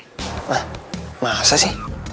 hah masa sih